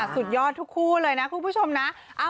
สุดยอดทุกคู่เลยนะคุณผู้ชมนะ